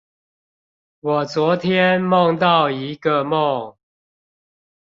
我昨天夢到一個夢